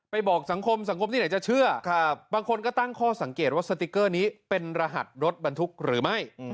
บอกสังคมสังคมที่ไหนจะเชื่อบางคนก็ตั้งข้อสังเกตว่าสติ๊กเกอร์นี้เป็นรหัสรถบรรทุกหรือไม่